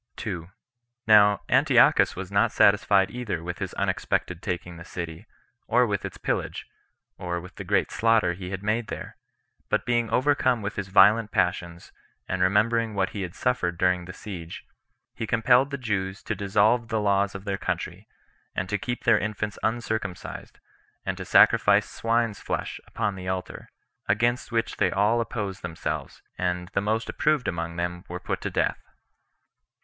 Now Antiochus was not satisfied either with his unexpected taking the city, or with its pillage, or with the great slaughter he had made there; but being overcome with his violent passions, and remembering what he had suffered during the siege, he compelled the Jews to dissolve the laws of their country, and to keep their infants uncircumcised, and to sacrifice swine's flesh upon the altar; against which they all opposed themselves, and the most approved among them were put to death.